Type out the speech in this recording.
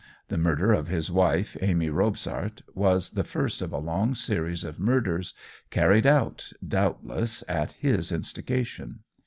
The murder of his wife Amy Robsart was the first of a long series of murders, carried out, doubtless, at his instigation.